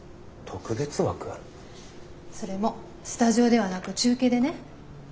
それもスタジオではなく中継でね。